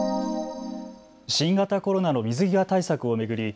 新型コロナの水際対策を巡り